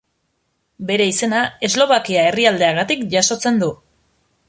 Bere izena Eslovakia herrialdeagatik jasotzen du.